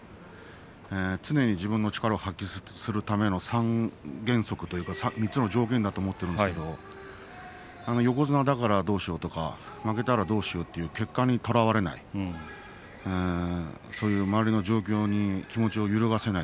常に自分の力を発揮するための３つの条件だと思っているんですけれども横綱だからどうしようとか負けたらどうしようという結果にとらわれないそういう周りの状況に気持ちを揺るがせない